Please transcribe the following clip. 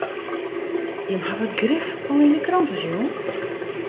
Jimme hawwe it grif al yn de krante sjoen.